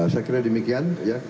saya kira demikian ya